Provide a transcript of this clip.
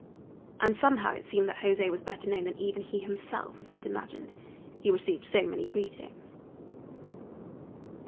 And somehow it seemed that José was better known than even he himself had imagined, he received so many greetings.